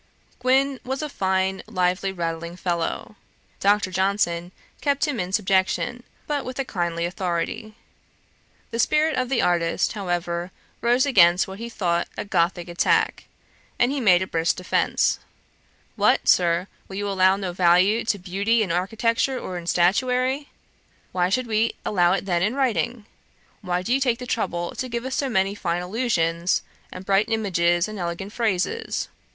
Gwyn was a fine lively rattling fellow. Dr. Johnson kept him in subjection, but with a kindly authority. The spirit of the artist, however, rose against what he thought a Gothick attack, and he made a brisk defence. 'What, Sir, will you allow no value to beauty in architecture or in statuary? Why should we allow it then in writing? Why do you take the trouble to give us so many fine allusions, and bright images, and elegant phrases?